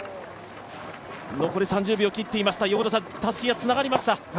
残り３０秒切っていました、たすきがつながりました。